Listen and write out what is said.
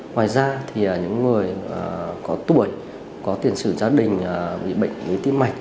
ngoài ra thì những người có tuổi có tiền sử gia đình bị bệnh với tim mạch